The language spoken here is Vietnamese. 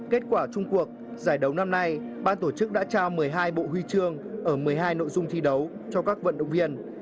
kết quả chung cuộc giải đấu năm nay ban tổ chức đã trao một mươi hai bộ huy chương ở một mươi hai nội dung thi đấu cho các vận động viên